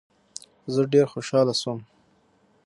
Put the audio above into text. زه ډېر خوشاله شوم.